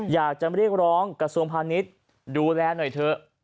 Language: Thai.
อยากจะเรียกร้องกระทรวงพาณิชย์ดูแลหน่อยเถอะ